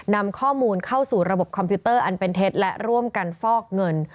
นำข้อมูลเข้าสู่ระบบคอมพิวเตอร์อันเป็นเท็จและร่วมกันฟอกเงิน